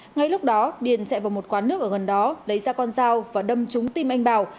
ngay lúc đó điền chạy vào một quán nước ở gần đó lấy ra con dao và đâm trúng tim anh bảo